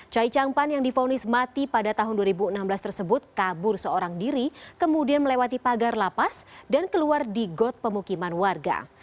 chai chang pan yang difonis mati pada tahun dua ribu enam belas tersebut kabur seorang diri kemudian melewati pagar lapas dan keluar di got pemukiman warga